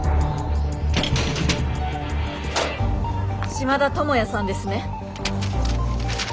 島田友也さんですね？